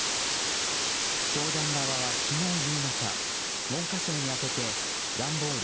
教団側は、昨日夕方文科省に宛てて段ボール